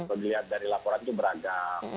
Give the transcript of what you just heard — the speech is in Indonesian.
kalau dilihat dari laporan itu beragam